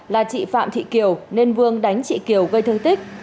là chị phạm thị kiều nên vương đánh chị kiều gây thương tích